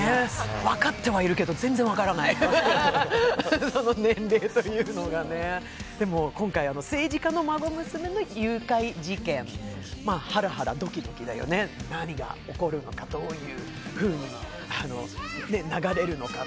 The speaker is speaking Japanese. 分かってはいるけど、全然分からない、その年齢というのがね、でも今回政治家の孫娘の誘拐事件、ハラハラドキドキだよね、何が起こるのかどういうふうに流れるのか。